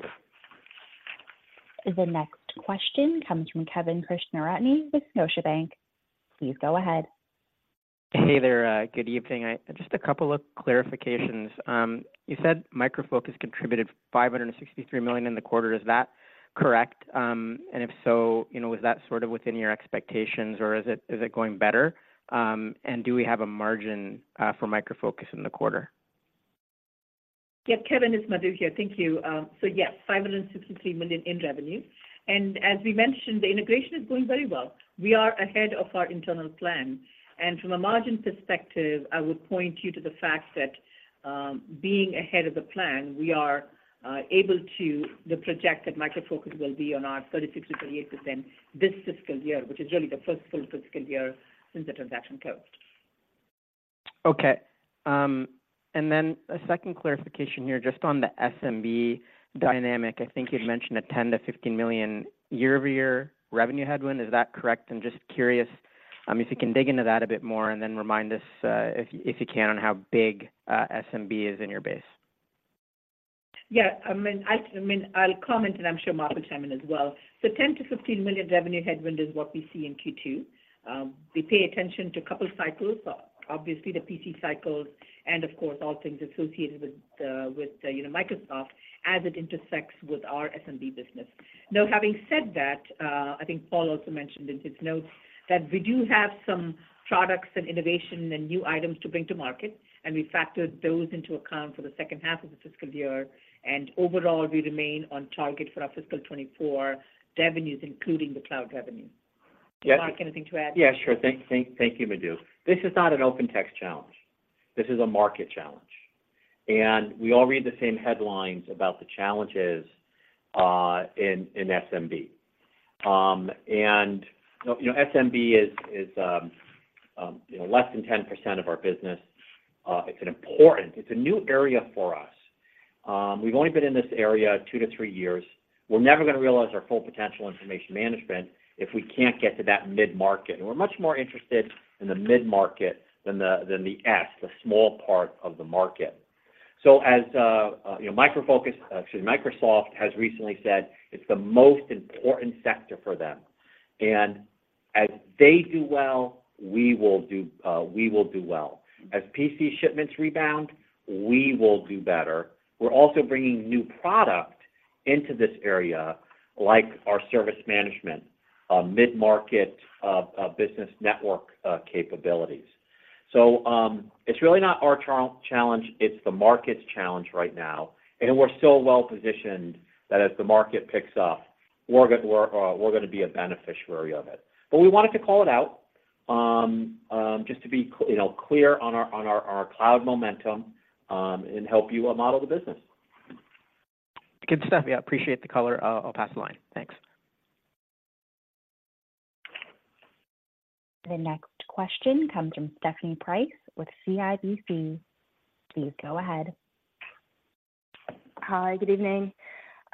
Speaker 1: The next question comes from Kevin Krishnaratne with Scotiabank. Please go ahead.
Speaker 10: Hey there. Good evening. Just a couple of clarifications. You said Micro Focus contributed $563 million in the quarter. Is that correct? And if so, you know, was that sort of within your expectations, or is it, is it going better? And do we have a margin for Micro Focus in the quarter?
Speaker 5: Yep, Kevin, it's Madhu here. Thank you. So yes, $563 million in revenue. As we mentioned, the integration is going very well. We are ahead of our internal plan, and from a margin perspective, I would point you to the fact that, being ahead of the plan, we are able to projected Micro Focus will be on our 36% to 38% this fiscal year, which is really the first full fiscal year since the transaction closed.
Speaker 10: Okay. And then a second clarification here, just on the SMB dynamic. I think you'd mentioned a $10 million to $15 million year-over-year revenue headwind. Is that correct? I'm just curious, if you can dig into that a bit more, and then remind us, if you can, on how big SMB is in your base.
Speaker 5: Yeah, I mean, I'll comment, and I'm sure Mark will chime in as well. So $10 million to $15 million revenue headwind is what we see in Q2. We pay attention to a couple cycles, obviously the PC cycles and of course, all things associated with, with you know, Microsoft as it intersects with our SMB business. Now, having said that, I think Paul also mentioned in his notes that we do have some products and innovation and new items to bring to market, and we factored those into account for the second half of the fiscal year. Overall, we remain on target for our fiscal 2024 revenues, including the cloud revenue. Mark, anything to add?
Speaker 3: Yeah, sure. Thank, thank, thank you, Madhu. This is not an OpenText challenge. This is a market challenge, and we all read the same headlines about the challenges, in SMB. And, you know, SMB is, is, you know, less than 10% of our business. It's an important... It's a new area for us. We've only been in this area 2 to 3 years. We're never gonna realize our full potential information management if we can't get to that mid-market. And we're much more interested in the mid-market than the, than the S, the small part of the market. So as, you know, Micro Focus, excuse me, Microsoft has recently said, it's the most important sector for them, and as they do well, we will do, we will do well. As PC shipments rebound, we will do better. We're also bringing new product into this area, like our service management, mid-market, Business Network, capabilities. So, it's really not our challenge, it's the market's challenge right now, and we're so well positioned that as the market picks up, we're gonna be a beneficiary of it. But we wanted to call it out, just to be, you know, clear on our cloud momentum, and help you model the business.
Speaker 10: Good stuff. Yeah, appreciate the color. I'll pass the line. Thanks.
Speaker 1: The next question comes from Stephanie Price with CIBC. Please go ahead.
Speaker 11: Hi, good evening.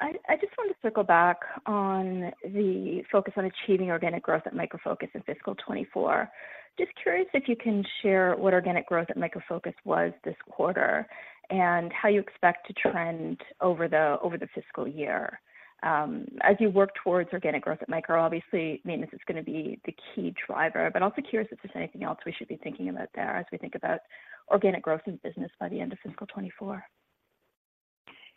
Speaker 11: I just want to circle back on the focus on achieving organic growth at Micro Focus in fiscal 2024. Just curious if you can share what organic growth at Micro Focus was this quarter, and how you expect to trend over the fiscal year. As you work towards organic growth at Micro, obviously, maintenance is gonna be the key driver, but also curious if there's anything else we should be thinking about there as we think about organic growth in business by the end of fiscal 2024.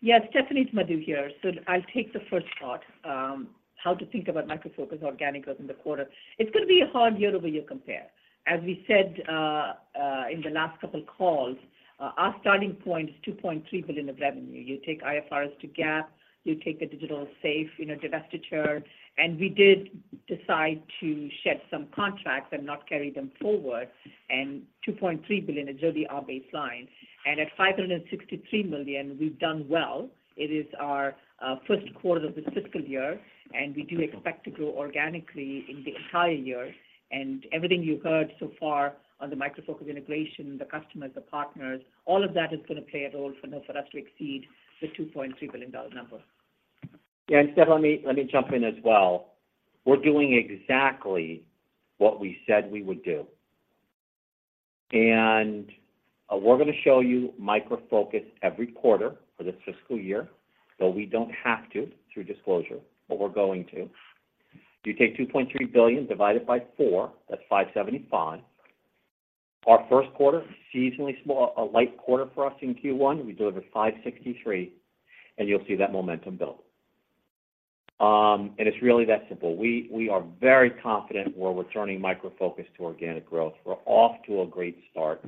Speaker 5: Yes, Stephanie, it's Madhu here. So I'll take the first part, how to think about Micro Focus organic growth in the quarter. It's gonna be a hard year-over-year compare. As we said, in the last couple calls, our starting point is $2.3 billion of revenue. You take IFRS to GAAP, you take a Digital Safe, you know, divestiture, and we did decide to shed some contracts and not carry them forward, and $2.3 billion is really our baseline. And at $563 million, we've done well. It is our Q1 of this fiscal year, and we do expect to grow organically in the entire year. Everything you've heard so far on the Micro Focus integration, the customers, the partners, all of that is gonna play a role for us to exceed the $2.3 billion number.
Speaker 3: Yeah, and Steph, let me, let me jump in as well. We're doing exactly what we said we would do, and we're gonna show you Micro Focus every quarter for this fiscal year, so we don't have to through disclosure, but we're going to. You take $2.3 billion, divide it by four, that's $575 million. Our Q1, seasonally slow, a light quarter for us in Q1, we delivered $563 million, and you'll see that momentum build. And it's really that simple. We are very confident we're returning Micro Focus to organic growth. We're off to a great start....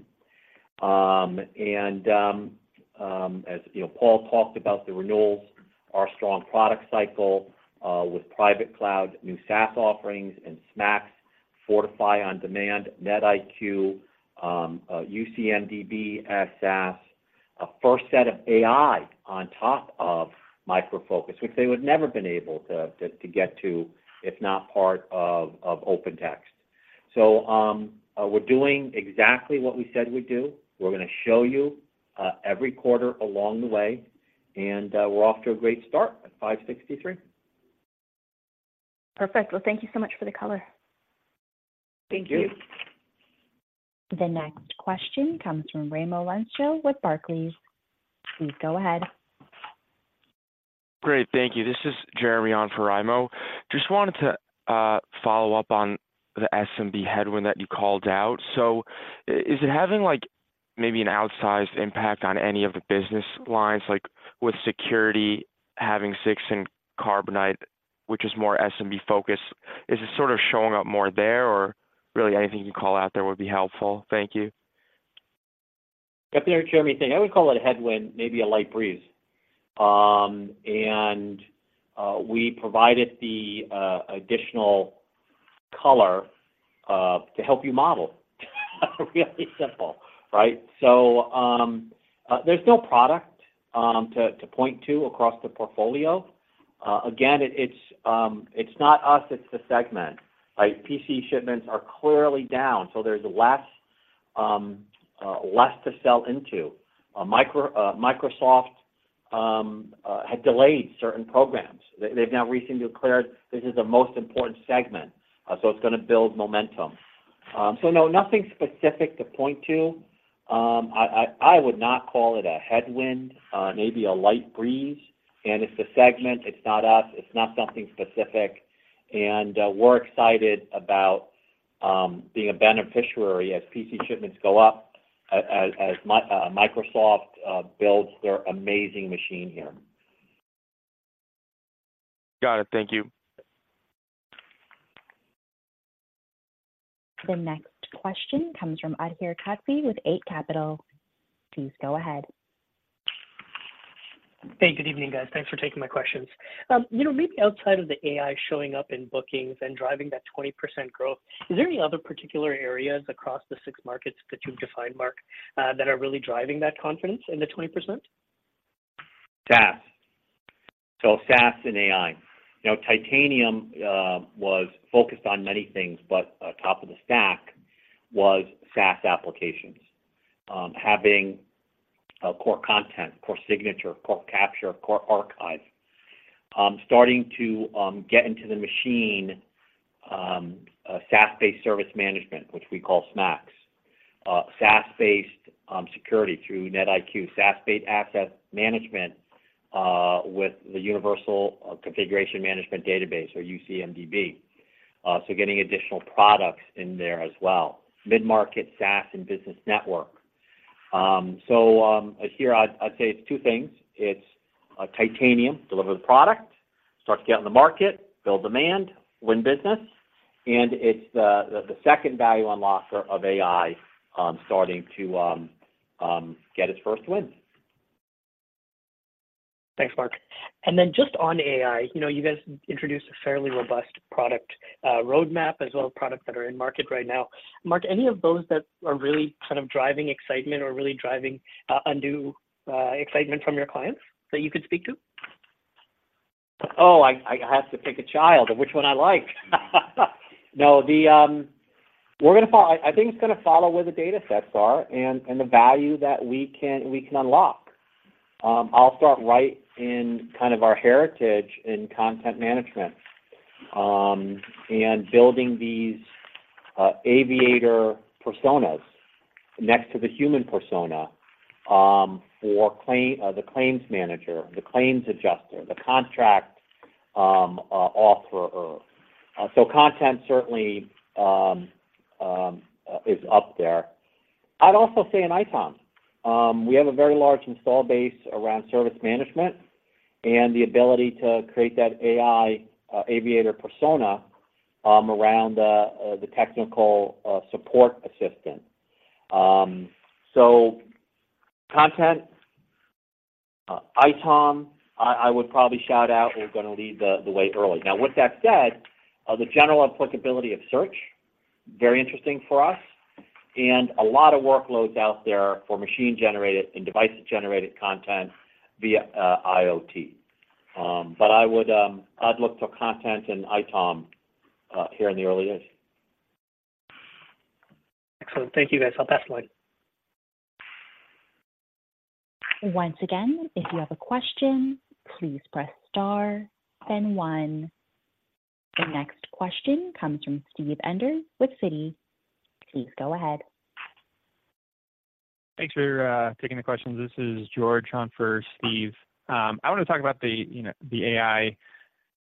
Speaker 3: As you know, Paul talked about the renewals, our strong product cycle with private cloud, new SaaS offerings, and SMAX, Fortify on Demand, NetIQ, UCMDB as SaaS, a first set of AI on top of Micro Focus, which they would never been able to get to if not part of OpenText. So, we're doing exactly what we said we'd do. We're gonna show you every quarter along the way, and we're off to a great start at $563 million.
Speaker 11: Perfect. Well, thank you so much for the color.
Speaker 3: Thank you.
Speaker 11: Thank you.
Speaker 1: The next question comes from Raimo Lenschow with Barclays. Please go ahead.
Speaker 12: Great, thank you. This is Jeremy on for Raimo. Just wanted to follow up on the SMB headwind that you called out. So is it having, like, maybe an outsized impact on any of the business lines, like with security, having Zix and Carbonite, which is more SMB focused? Is it sort of showing up more there, or really anything you can call out there would be helpful? Thank you.
Speaker 3: Yeah, Jeremy, I think I would call it a headwind, maybe a light breeze. And, we provided the additional color to help you model. Really simple, right? So, there's no product to point to across the portfolio. Again, it's not us, it's the segment, right? PC shipments are clearly down, so there's less to sell into. Microsoft had delayed certain programs. They, they've now recently declared this is the most important segment, so it's gonna build momentum. So no, nothing specific to point to. I would not call it a headwind, maybe a light breeze, and it's the segment, it's not us, it's not something specific. And we're excited about being a beneficiary as PC shipments go up, as Microsoft builds their amazing machine here.
Speaker 12: Got it. Thank you.
Speaker 1: The next question comes from Adhir Kadve with Eight Capital. Please go ahead.
Speaker 13: Hey, good evening, guys. Thanks for taking my questions. You know, maybe outside of the AI showing up in bookings and driving that 20% growth, is there any other particular areas across the six markets that you've defined, Mark, that are really driving that confidence in the 20%?
Speaker 3: SaaS, So SaaS and AI. You know, Titanium was focused on many things, but top of the stack was SaaS applications. Having Core Content, Core Signature, Core Capture, Core Archive, starting to get into the machine, a SaaS-based service management, which we call SMAX. SaaS-based security through NetIQ, SaaS-based access management, with the universal configuration management database, or UCMDB. So getting additional products in there as well. Mid-market, SaaS, and business network. So, Adhir, I'd say it's two things. It's Titanium, deliver the product, start to get on the market, build demand, win business, and it's the second value unlock for of AI, starting to get its first win.
Speaker 13: Thanks, Mark. And then just on AI, you know, you guys introduced a fairly robust product roadmap, as well as products that are in market right now. Mark, any of those that are really kind of driving excitement or really driving undue excitement from your clients that you could speak to?
Speaker 3: Oh, I have to pick a child, which one I like? No, the... We're gonna follow. I think it's gonna follow where the data sets are and the value that we can unlock. I'll start right in kind of our heritage in content management and building these Aviator personas next to the human persona for claims, the claims manager, the claims adjuster, the contract offerer. So content certainly is up there. I'd also say in ITOM, we have a very large install base around service management and the ability to create that AI Aviator persona around the technical support assistant. So content, ITOM, I would probably shout out, we're gonna lead the way early. Now, with that said, the general applicability of search, very interesting for us, and a lot of workloads out there for machine-generated and device-generated content via IoT. But I would, I'd look for content in ITOM here in the early days.
Speaker 13: Excellent. Thank you, guys. I'll pass the line.
Speaker 1: Once again, if you have a question, please press star then one. The next question comes from Steve Enders with Citi. Please go ahead.
Speaker 14: Thanks for taking the questions. This is George on for Steve. I want to talk about the, you know, the AI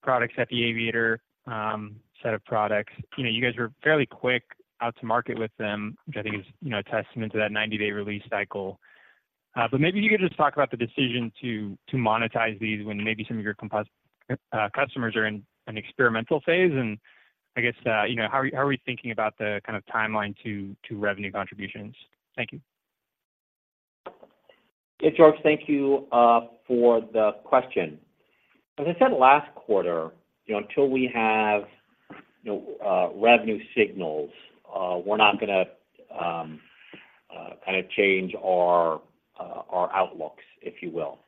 Speaker 14: products at the Aviator, set of products. You know, you guys were fairly quick out to market with them, which I think is, you know, a testament to that 90-day release cycle. But maybe you could just talk about the decision to monetize these when maybe some of your competitors, customers are in an experimental phase. And I guess, you know, how are, how are we thinking about the kind of timeline to revenue contributions? Thank you.
Speaker 3: Yeah, George, thank you for the question. As I said last quarter, you know, until we have, you know, revenue signals, we're not gonna kind of change our our outlooks, if you will,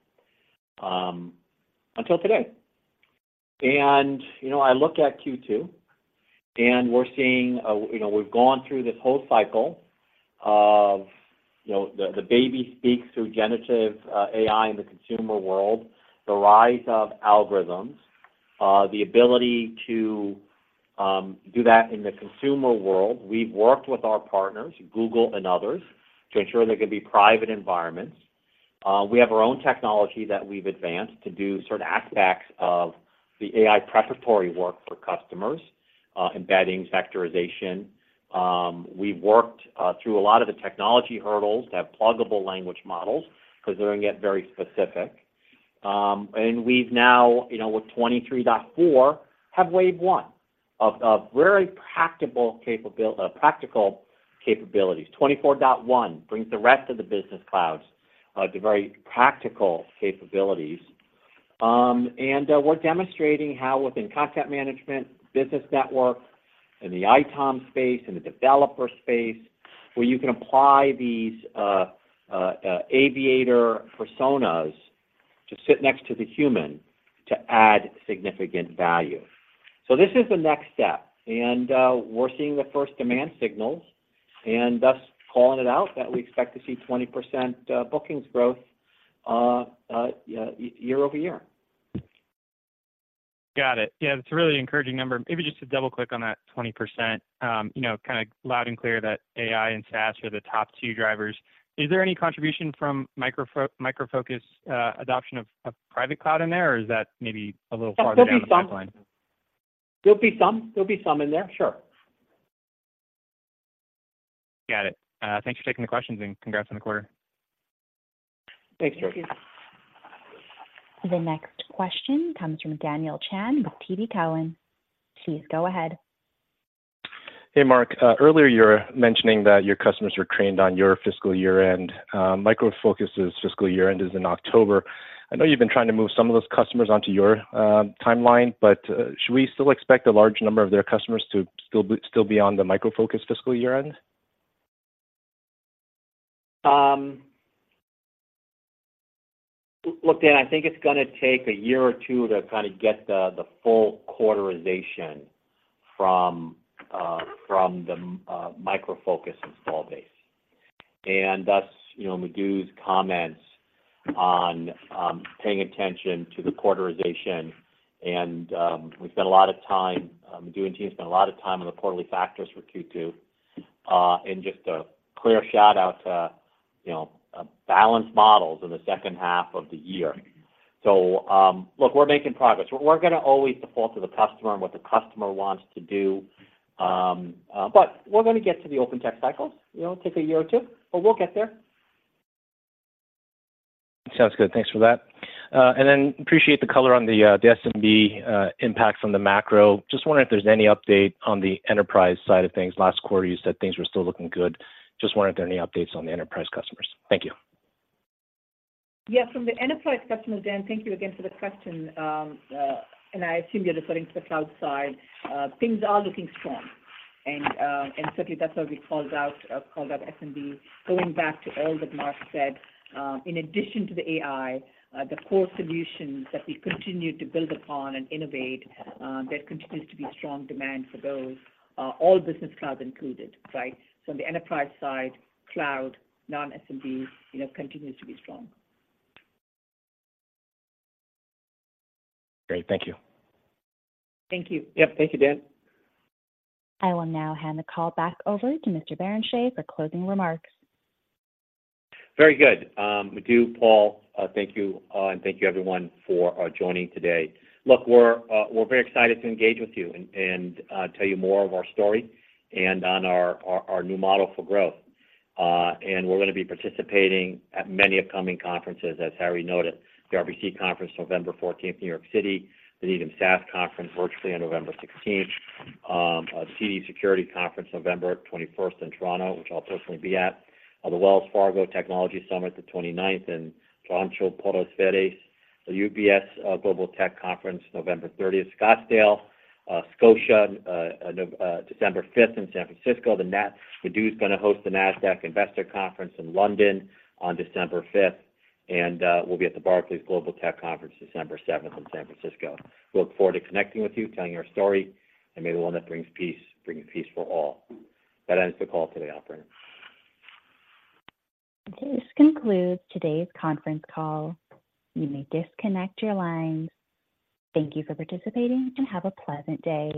Speaker 3: until today. You know, I look at Q2, and we're seeing, you know, we've gone through this whole cycle of, you know, the the baby speaks through generative AI in the consumer world, the rise of algorithms, the ability to do that in the consumer world. We've worked with our partners, Google and others, to ensure they're gonna be private environments. We have our own technology that we've advanced to do certain aspects of the AI preparatory work for customers, embedding, vectorization. We've worked through a lot of the technology hurdles to have pluggable language models because they're gonna get very specific. And we've now, you know, with 23.4, have wave one of very practical capabilities. 24.1 brings the rest of the business clouds to very practical capabilities. And we're demonstrating how within content management, business network, in the ITOM space, in the developer space, where you can apply these Aviator personas to sit next to the human to add significant value. So this is the next step, and we're seeing the first demand signals, and thus calling it out that we expect to see 20% bookings growth year-over-year.
Speaker 14: Got it. Yeah, it's a really encouraging number. Maybe just to double-click on that 20%, you know, kind of loud and clear that AI and SaaS are the top two drivers. Is there any contribution from Micro Focus adoption of private cloud in there? Or is that maybe a little farther down the pipeline?
Speaker 3: There'll be some. There'll be some in there, sure.
Speaker 14: Got it. Thanks for taking the questions, and congrats on the quarter.
Speaker 3: Thanks, George.
Speaker 1: The next question comes from Daniel Chan with TD Cowen. Please go ahead.
Speaker 15: Hey, Mark. Earlier, you were mentioning that your customers were trained on your fiscal year end. Micro Focus's fiscal year end is in October. I know you've been trying to move some of those customers onto your timeline, but should we still expect a large number of their customers to still be on the Micro Focus fiscal year end?
Speaker 3: Look, Dan, I think it's gonna take a year or two to kind get the, the full quarterization from, from the Micro Focus install base. And thus, you know, Madhu's comments on, paying attention to the quarterization. And, we've spent a lot of time, Madhu and team spent a lot of time on the quarterly factors for Q2. And just a clear shout-out to, you know, balance models in the second half of the year. So, look, we're making progress. We're gonna always default to the customer and what the customer wants to do. But we're gonna get to the OpenText cycles. You know, take a year or two, but we'll get there.
Speaker 15: Sounds good. Thanks for that. And then appreciate the color on the SMB impacts on the macro. Just wondering if there's any update on the enterprise side of things. Last quarter, you said things were still looking good. Just wondering if there are any updates on the enterprise customers. Thank you.
Speaker 5: Yeah, from the enterprise customers, Dan, thank you again for the question. And I assume you're referring to the cloud side. Things are looking strong. And, and certainly, that's why we called out, called out SMB, going back to all that Mark said. In addition to the AI, the core solutions that we continue to build upon and innovate, there continues to be strong demand for those, all business clouds included, right? So the enterprise side, cloud, non-SMB, you know, continues to be strong.
Speaker 15: Great. Thank you.
Speaker 5: Thank you.
Speaker 3: Yep. Thank you, Dan.
Speaker 1: I will now hand the call back over to Mr. Barrenechea for closing remarks.
Speaker 3: Very good. Madhu, Paul, thank you, and thank you everyone for joining today. Look, we're very excited to engage with you and tell you more of our story and on our new model for growth. We're gonna be participating at many upcoming conferences, as Harry noted. The RBC conference, 14 November, New York City. The Needham SaaS conference, virtually on 16 November. CIBC Securities conference, 21 November in Toronto, which I'll personally be at. The Wells Fargo Technology Summit, the 29th in Rancho Palos Verdes. The UBS Global Tech Conference, 30 November, Scottsdale. Scotiabank, 5 December in San Francisco. The NASDAQ Investor Conference in London on December 5, Madhu's gonna host, and we'll be at the Barclays Global Tech Conference, 7 December in San Francisco. We look forward to connecting with you, telling our story, and may the one that brings peace, bring peace for all. That ends the call today, operator.
Speaker 1: This concludes today's conference call. You may disconnect your lines. Thank you for participating, and have a pleasant day.